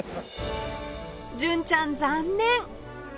純ちゃん残念！